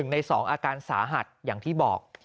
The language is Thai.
ใน๒อาการสาหัสอย่างที่บอก